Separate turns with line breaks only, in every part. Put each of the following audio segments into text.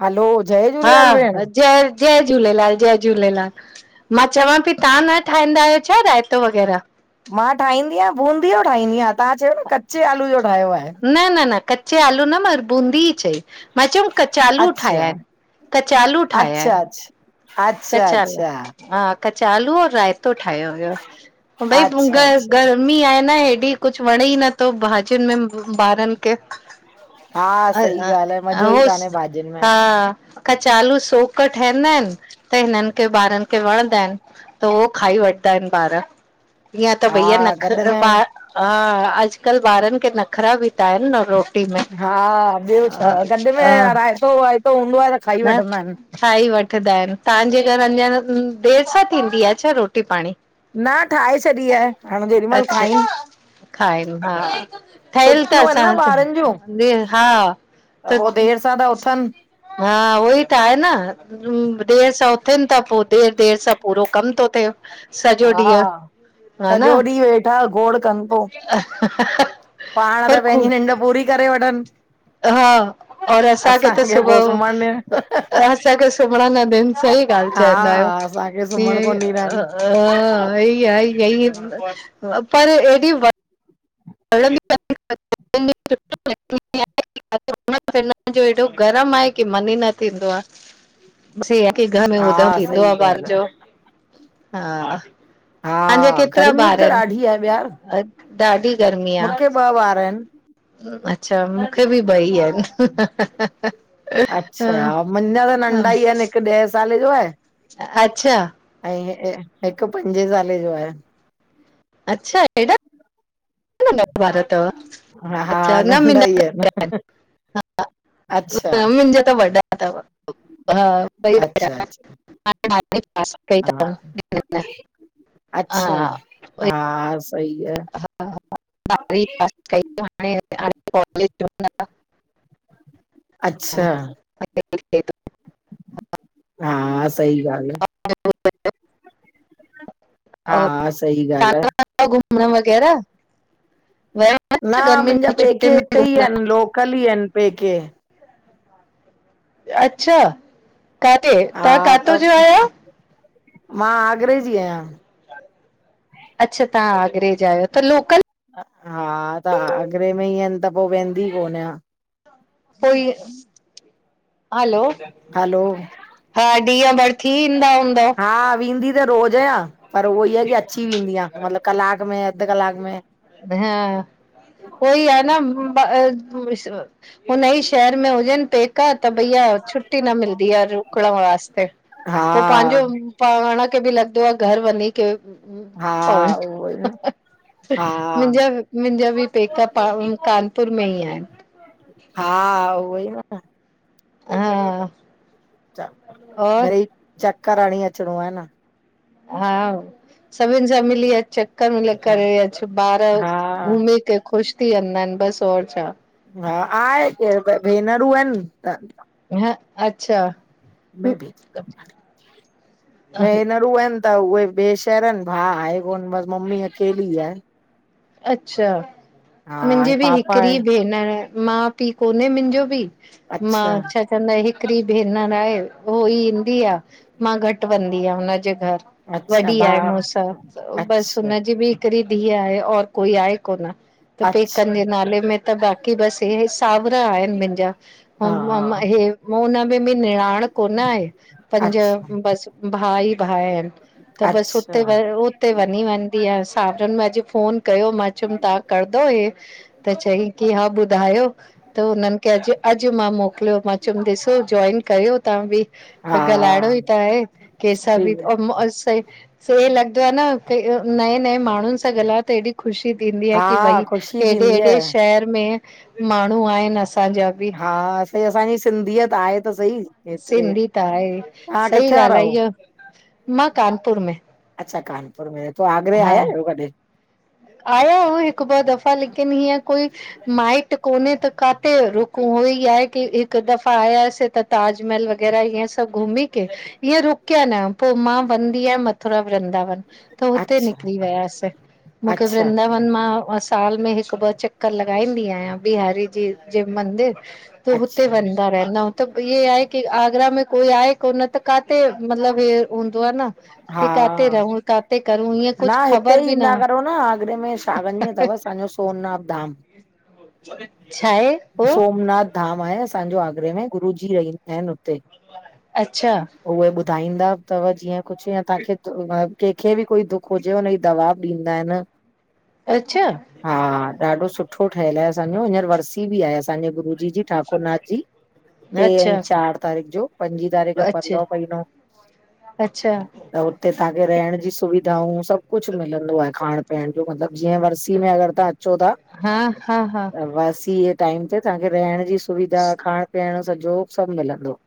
हलो, जय
हा
झूलेलाल भेण।
हय जय झूलेलाल, जय झूलेलाल मां चवां पई तान न ठाईदा आयो छा रायतो वग़ैरह।
मां ठाईदी आयां बूंदीअ ॼो ठाहींदी आयां तां चयो न कचे आलू ॼो ठायो आये।
न-न-न कचे आलू न मर बूंदी ई चई। मां चयम कचालू ठाया
अच्छा,
आयन कचालू ठाया आयन।
अच्छा, अच्छा, अच्छा,
कचालू
अच्छा।
हा। कचालू और रायतो ठायो होयो भई ग
अच्छा, अच्छा,
गर्मी आये ना हेॾी। कुछ वणे ई न थ भाॼियुन में ॿारन खे।
हा
अ
सही ॻाल्हि आहे, मज़ो ई
ऐंस
कान्हे भाॼियुनि में,
हां। कचालू सोक ठईंदा आयन। त हिनन खे ॿारन खे वणंदा आयन त उयो खाई वठंदा आयन ॿार। ईअं त भईया
हा
नख
गॾ
ह
में
अॼकल ॿारन खे नख़रा ॿि ता आयन न रोट
हा ॿयो छा गंंॾ में रायतो-वायतो हूंदो आ त खाई
न
वठंदा आयन।
खाई वठंदा आयन तांॼे घर अञा देर सां थींदी आ छा रोटी पाणी?
न ठाये छॾी आये हाणे जेॾी मल खाइन।
खाइ हा ठयल त
छुटियूं आहिनि न
असां
ॿारनि जूं
हा।
त उयो देर सा उथन।
हा उई त आये न। देरि सां उथन ता पोइ देर-देर सां पो कम थो थिए सॼो
हा
ॾींअ ह ना?
सॼो ॾींहुं वेठा घोड़ कनि पो, पाण त पेंॼी निंड पूरी करे वठन।
हा और असांखे त सुबअ
पो सुम्हण ॾियण,
असांखे। सुमण न ॾिन सई ॻाल चाईंदा आयो
हा असांखे सुम्हण
ईअ।
कोन ॾींदा आहिन।
हा इ आये-आये ई पर हेएॾी। [inaudible] [unintelligible] हेॾो गरम आये की मन ई न थींदो आये। की घर में उधम
हा
थींदो आ
सही
ॿार
ॻाल्हि
ॼो हा।
आ,
तांजा
हा
केतरा
गर्मी बि
ॿार
त
आयन
ॾाढी आहे ॿयार।
ॾाढी गर्मी आ
मूंखे ॿ ॿार आयन।
अच्छा मूंखे ॿि ॿई आयन।
अच्छा मुंॼा त नंढा ई आयन हिक ॾह साल ॼो आये।
अछा
अएं, हिक, हिक पंजे सालें जो आहे।
अच्छा, एॾा नंढ़ा नंढ़ा, ॿार तव?
हा हा
अच्छा, न
नंढा
मुंजा
ई आहिन,
त वॾा एन,
अच्छा
मुंजा त वॾा तव। हा, ॿई वॾा
अच्छा
एन।
अच्छा हा
[unintelligible] हा
अच्छा, हा सही आ,
[unintelligible] में
अच्छा
[inaudible]
हा, सही ॻाल्ह आ।
[inaudible]
हा, सही ॻाल्ह आ।
पेका, घुमण वगैरा, वया?
न, मुंजा पेके हिते ई एन, लोकल ई एन, पेके।
अच्छा, काथे,
हा
तहां काथों
त
ज आयो?
मां, आगरे जी आयां।
अच्छा, तहां आगरे जा आयो, त लोकल
हा, त आगरे में एन, त पो वेंदी कोनयां।
कोई, हलो!
हलो
हा, ॾींह भर थी ईंदा हूंदौ?
हा, वींदी त रोज़ आयां, पर उहोई आ, की अची वेंदी आं, मतलब कलाक में, अध कलाक में।
हा उहोई आ न, हुनई शहर में हुजन, पे का, त भइया छुट्टी न मिलदी आ, रुकण वास्ते,
हा
पो पांजो पाण खे बि लॻदो आ, घर वञी। के,
हा उहो ई न हा
मुंजा मुंजा बि पेका, प कानपुर में ई एन।
हा, उहोई न त।
हा और
मिरई चकर हणी अचणो, आहे न।
हा, सभिन सां मिली अच। त मिली करे अच, ॿार
हा
घुमी करे ख़ुश थी वेंदा इन, बस और छा?
हा, आहे केर, ॿ भेनरूं एन, त
ह अच्छा
मे, बि, भेनरूं एन। त उहे, ॿे शहर एन, भाउ आहे कोन, बस मम्मी अकेली आहे।
अच्छा,
हा
मिंजी
ऐं
बि
पापा
हिकिरी
आहे
भेनर आ। मा पी कोनें मुंजो भी,
अच्छा
मां छा चंदा हिकड़ी भेनर आहे, उहोई ईंदी आ, मां घट वेंदी आं हुनजे घर।
अच्छा
वॾी आहे
भाउ
मूंसां, बस
अच्छा
हुनजी बि हिकड़ी धीअ आए और कोई आए कोन, त पेकन
अच्छा
जे नाले में त, बाक़ी बस हे सावरा आहिन मिंजा।
हा
उनमें बि निराण कोन आए। पंज,
अच्छा
बस भा ई भा एन, त बस
अच्छा
हुते व हुते वञी वंदी आं, सावरन में अज़ फोन कयो मां, मां, चयुम तां करंदौ हे। त चईं कि हा ॿुधायो, त हुनन खे अज़ अज़ मां मोकलियो, मां चियुम ॾिसो जॉइन कयो तां बी।
हा
त ॻाल्हाइणो ई त आहे। केसां
सुठी
बी।
ॻा
से लॻदो आ न कि नए नए माण्हुन सां ॻाल्हाए त हेॾी ख़ुशी थींदी आ कि
हा
भई,
ख़ुशी
हेॾे
थींदी
हेॾे
आहे
शहर में माण्हूं आहिन असांजा बी।
हा, सई असांजी सिंधीयत आहे त सही। हेतिरे
सिंधी त आहे,
तव्हां
सई
किथे जा
ॻाल आ
रहो
ईय, मां कानपुर में।
अच्छा! कानपुर में, त आगरे आया आयो कॾहि?
आयो हूं हिकु ॿ दफ़ा, लेकिन हीअं कोई माइट कोने त काथे रुक उहो ई आहे कि, हिक दफ़ा आयासीं त ताजमहल वग़ैरह ईयं सभ घुमी के इये रुकया न, पो मां वनदी आयां मथुरा वृंदावन।
अच,
निकरी वियास मुंखे वृंदावन मां मां साल में हिक ॿ चक्कर लॻाईंदी आयां, बिहारी जी जे मंदिर। पो हुते
अच्छा
वेंदा रहना, त इये आहे की आगरा में कोई आए कोन त काथे? मतलब हे हूंदो आ न कि,
हा
काथे रहूं काथे? करूं ईअं
न
कुझु
हिते
ख़बर
ई
बि
ईंदा करो न आगरे में शावन में तव असांजो सोमनाथ धाम।
छाऐ?
सोमनाथ धाम आहे असांजो आगरे में, गुरूजी रहींदा इन हुते।
अच्छा
उहे ॿुधाईंदा तव जीअं कुछ या तांखे केंखे बि कोई दुख हुजे जे हुनजी दवा बी ॾींदा आइन।
अच्छा!
हा, ॾाढो सुठो ठहयल आहे असांजो, हींअर वर्सी बी आहे असांजे गुरुजी जी। ठाकुर नाथ जी, टे ऐं
अच्छा
चार तारीख़ जो, पंजी तारीक
अच्छा
पलो पईनो।
अच्छा
त हुते असांखे रहण जी सुविधाऊं, सभ कुछ मिलंदो आहे खाइण पीअण जो, मतलब जीअं वर्सी में अगर तां अचो ता,
हा हा हा
त वर्सीअ जे टाइम ते, तांखे रहण जी सुविधा ऐं खाइण पीअण सजो सभ मिलंदो।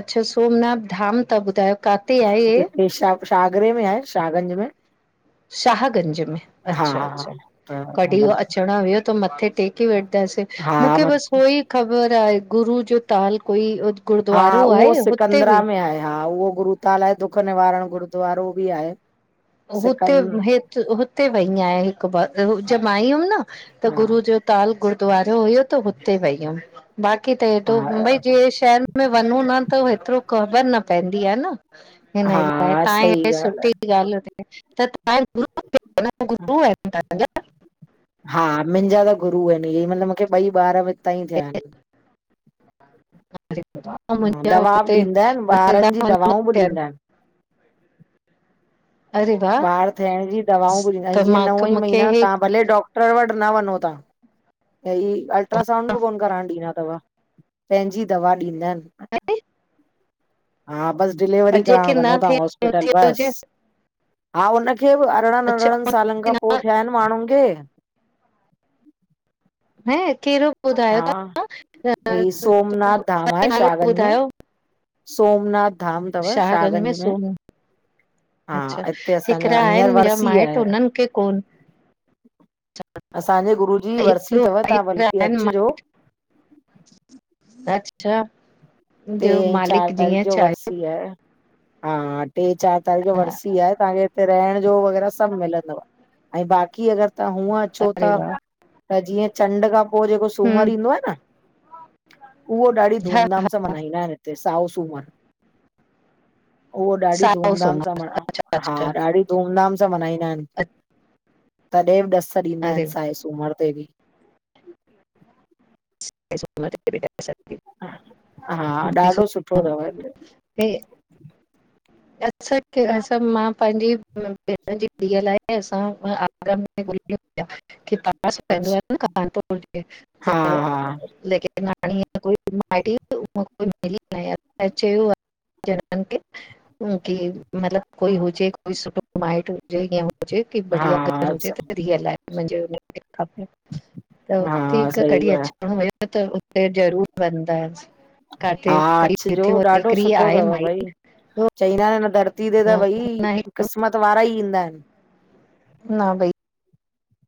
अच्छा, सोमनाथ धाम ता ॿुधायो, काथे आहे इये?
आगरे में आहे। शागंज में।
शाहगंज में,
हा हा
अच्छा-अच्छा,
त
कॾहिं
मतिलबु
अचण वियो त मथे टेक टेके वठदासे, मूंखे
हा
बस उओई ख़बर आहे गुरू जो ताल कोई
हा
गुरुद्वारो
उहो
आहे हुते
सिकंदरा
बि
में आहे, हा उहो गुरूताल आए, दुख निवारण गुरूद्वारो बी आहे।
हुते
सिकन
हेत हुते वई आयां हिक बार, जे मां आई हुयम न, त
हा
गुरू जो ताल गुरुद्वारा हुयो त हुते वई हुयम, बाक़ी त
हा
हेॾो मुंबई जेड़े शहर में में वनू न त हेतरो ख़बर न पैंदी आ न। हिन लाइ,
हा
तां
सही
एॾी
ॻाल्हि
सुठी ॻाल ॿुधाई त
आहे।
[unintelligible]
हा मिंजा त गुरू आहिन इहे, मतलब मूंखे ॿई ॿार हितां ई थिया आहिन। हा, दवा बि ॾींदा आहिनि ॿारनि जी दवाऊं बि ॾींदा
[unintelligible]
आहिनि।
अरे वाह
ॿार थियण जी दवाऊं बी ॾींदा आहिन,
त
जीअं
मां
नव ई
मूंखे
महीना
हे
तव्हां भले डॉक्टर वट न वञो तां। ऐं ई अल्ट्रासाउंड बी कोन कराइण ॾींदा तव, पैंजी दवा ॾींदा आहिन।
[inaudible]
हा, बस डिलीवरी कराइण
जेके
वञो
न
तां
थे
हॉस्पिटल
थियो
बस।
हुजे
हा हुनखे बि अरिड़हनि
अच्छा
अरिड़हनि सालनि खां पोइ थिया आहिनि माण्हुनि खे
हैं केरो
हा, ही सोमनाथ धाम
तव्हां
आहे
नालो
शाहगंज में।
ॿुधायो
सोमनाथ धाम तव शाहगंज में। हा
अच्छा
हिते असांजा हींअर वरसी आहे।
मूंखे कोन
असांजे गुरू जी वरसी
हिकिड़ो
अथव तव्हां
हिकिड़ा
बल्कि
आहिनि
अचिजो।
अच्छा [unintelligible]
टे
जो
ऐं चारि
मालिक
तारीख़
जीअं
जो
चाहे
वरसी आहे। हा टे चारि तारीख़ वरसी आहे तव्हांखे हिते रहण जो वग़ैरह सभु मिलंदो ऐं बाक़ी अगरि तव्हां हूअं अचो
अरे
था
वाह
त जीअं चंड खां पोइ जेको सूमर
हम्म
ईंदो आहे न, उहो ॾाढी
हा
धूम धाम सां मञाईंदा आहिनि हिते साओ सुूमरु। उहो ॾाढी
साओ
धूमधाम सां
सूमर
म,
अच्छा
हा
अच्छा
ॾाढी धूम धाम सां मल्हाईंदा आहिनि। तॾहिं बि ॾस ॾींदा आहिनि
अरे
साए सूमर ते बि।
[unintelligible] बि न [unintelligible]
हा ॾाढो सुठो अथव हिते।
हे [unintelligible] अच्छा के, असां मां पंहिंजी भेण जी धीअ लाइ असां आग में
अछ हा
[unintelligible] मटी उहाई मिली न चयो आहे जननि खे। [unintelligible] हुन खे मतिलब कोई हुजे कोई सुठो माइट हुजे या हुजे कि
हा
बढ़िया घर हुजे
हा
त रियल आहे मुंहिंजे खपे त हुते
हा सही
कॾहिं
ॻाल्हि
अचिणो हुयो त हुते ज़रूर वेंदाह से
हा अचिजो ॾाढो सुठो
आहे
अथव
माई
भई।
तो
चईंदा आहिनि हिन धरती ते त भई
हुन हिकु
क़िस्मत वारा ई ईंदा आहिनि।
न भई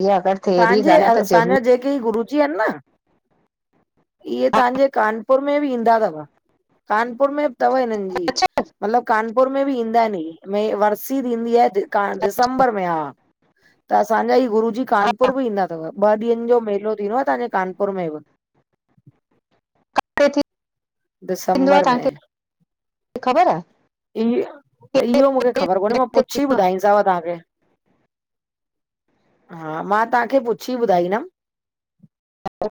इहा अगर
तव्हांजे असांजा जेके ई गुरुजी आहिनि न इहे तव्हांजे कानपुर में बि ईंदा अथव। कानपुर में अथव हिननि जी,
अच्छा
मतलबु कानपुर में बि ईंदा आहिनि इहे। में वरसी थींदी आहे दिसंबर में हा त असांजा ई गुरू जी कान -पुर बि ईंदा अथव ॿ ॾींहनि जो मेलो थींदो आहे तव्हांजे कानपुर में बि।
हफ़्ते थींदो आहे
दिसंबर में।
तव्हांखे ख़बर आ।
इह, इहो मूंखे ख़बर कोन्हे मां
आहे
पुछी ॿुधाईंद -दव तव्हांखे, हा मां तव्हांखे पुछी ॿुधाईंदमि।
ह [unintelligible]